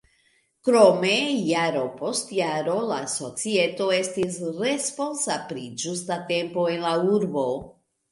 Krome jaro post jaro la societo estis responsa pri ĝusta tempo en la urbo.